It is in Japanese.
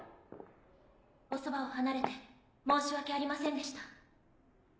おそばを離れて申し訳ありませんでした。